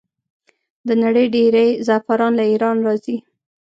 د نړۍ ډیری زعفران له ایران راځي.